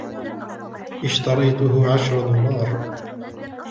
إشترىته عشر دولار